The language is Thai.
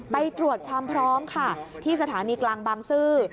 ไปตรวจความพร้อมค่ะที่สถานีกลางบางซื่อ